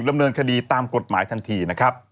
ดำเนินคดีตามกฎหมายทันทีนะครับ